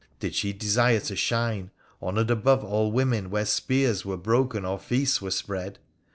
Did she desire to shine, honoured above all women, where spears were broken or feasts were spread